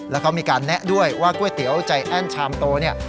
แล้วเขามีการแนะด้วยว่าก๋วยเตี๋ยวใจแอ้นชามโตเนี่ย